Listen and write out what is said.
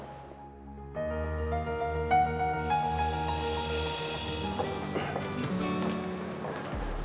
pertemuan mas raffi